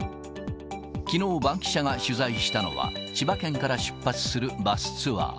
きのう、バンキシャが取材したのは、千葉県から出発するバスツアー。